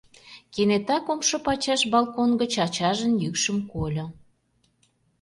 Кенета кумшо пачаш балкон гыч ачажын йӱкшым кольо: